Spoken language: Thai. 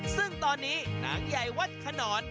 ซึ่งตอนนี้นางใหญ่วัดขนอน